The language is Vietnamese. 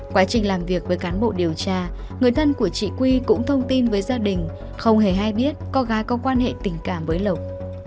quá trình làm việc với cán bộ điều tra người thân của chị quy cũng thông tin với gia đình không hề hay biết cô gái có quan hệ tình cảm với lộc